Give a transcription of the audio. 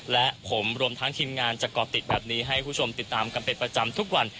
และผมรวมทั้งทีมงานจะก่อติดแบบนี้ให้คุณผู้ชมติดตามกันเป็นประจำทุกวัน